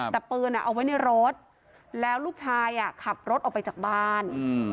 แต่ปืนเอาไว้ในรถแล้วลูกชายขับรถออกไปจากบ้าน